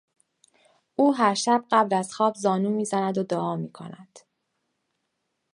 او هرشب قبل از خواب زانو میزند و دعا میکند.